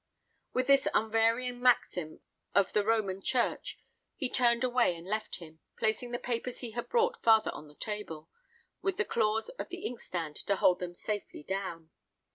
With this unvarying maxim of the Roman church, he turned away and left him, placing the papers he had brought farther on the table, with the claws of the inkstand to hold them safely down.